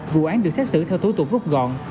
vụ án được xét xử theo thối tụ gốc gọn